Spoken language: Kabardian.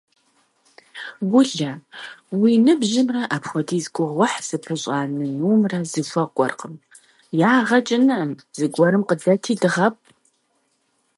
Гулэ, уи ныбжьымрэ апхуэдиз гугъуехь зыпыщӀа нынумрэ зэхуэкӀуэркъым. Ягъэ кӀынкъым, зыгуэрым къыдэти дыгъэпӀ.